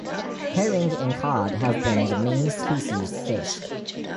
Herring and cod have been the main species fished.